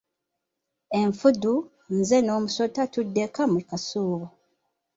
Enfudu, Nze n'omusota tudda ekka mu kasoobo.